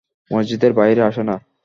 মসজিদের বাহিরে আসে না।